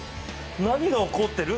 何が起こってる？